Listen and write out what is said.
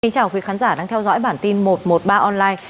xin chào quý khán giả đang theo dõi bản tin một trăm một mươi ba online